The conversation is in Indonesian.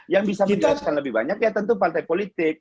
yang bisa menjelaskan lebih banyak ya tentu partai politik